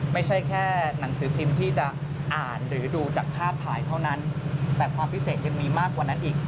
ไม่ใช่แค่หนังสือพิมพ์ที่จะอ่านหรือดูจากภาพถ่ายเท่านั้นแต่ความพิเศษยังมีมากกว่านั้นอีก